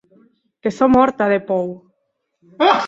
Que sò mòrta de pòur!